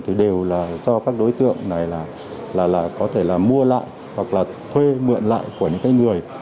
thì đều là cho các đối tượng này là có thể là mua lại hoặc là thuê mượn lại của những cái người